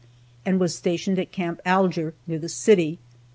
and was stationed at Camp Alger, near the city.